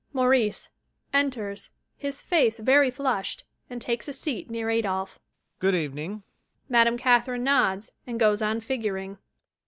MAURICE. [Enters, his face very flushed, and takes a seat near ADOLPHE] Good evening. (MME. CATHERINE nods and goes on figuring.)